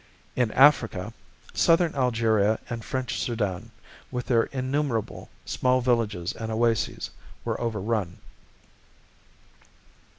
In Africa, Southern Algeria and French Sudan, with their innumerable small villages and oases, were overrun.